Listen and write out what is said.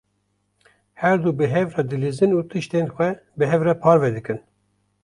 Her du bi hev re dilîzin û tiştên xwe bi hev re parve dikin.